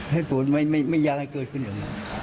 ให้ตัวไม่อยากให้เกิดขึ้นอย่างนั้น